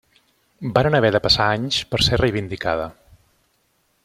Varen haver de passar anys per ser reivindicada.